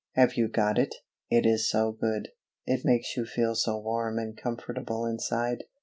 Have you got it? It is so good. It makes you feel so warm and comfortable inside.